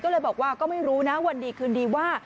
ก็เลยบอกว่าก็ไม่รู้นะวันดีคืนดีว่า